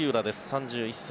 ３１歳。